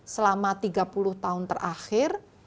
selama tiga puluh tahun terakhir